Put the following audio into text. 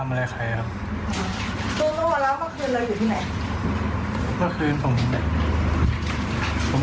ผมเอาไปเสพยาที่บ้านเพื่อนครับ